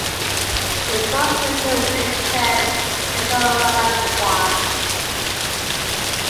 It falls within the Whitchurch and Tongwynlais ward.